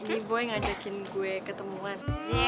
ini boy ngajakin gue ketemuan